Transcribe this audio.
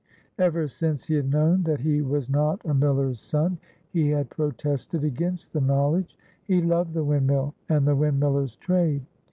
Ever since he had known that he was not a miller's son, he had protested against the knowledge. He loved the windmill and the windmiller's trade.